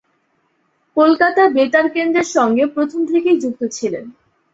কলকাতা বেতার কেন্দ্রের সঙ্গে প্রথম থেকেই যুক্ত ছিলেন।